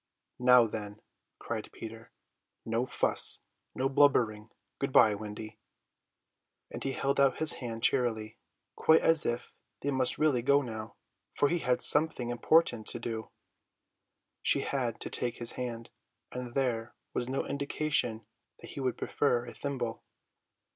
"Now then," cried Peter, "no fuss, no blubbering; good bye, Wendy;" and he held out his hand cheerily, quite as if they must really go now, for he had something important to do. She had to take his hand, and there was no indication that he would prefer a thimble.